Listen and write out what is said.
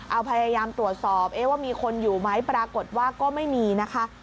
เอาพยายามตรวจสอบว่ามีคนอยู่ไหมปรากฏว่าก็ไม่มีนะคะ